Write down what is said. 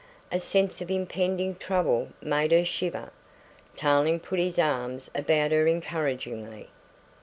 A sense of impending trouble made her shiver. Tarling put his arms about her encouragingly.